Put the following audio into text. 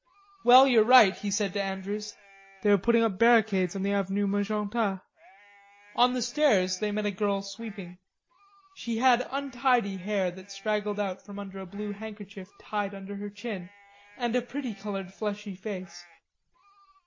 "Well, you're right," he said to Andrews. "They are putting up barricades on the Avenue Magenta." On the stairs they met a girl sweeping. She had untidy hair that straggled out from under a blue handkerchief tied under her chin, and a pretty colored fleshy face.